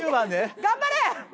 頑張れ！